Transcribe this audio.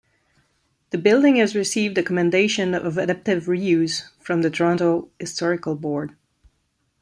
The building has received a Commendation of Adaptive Re-use from the Toronto Historical Board.